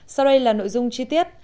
sau đây là nội dung chi tiết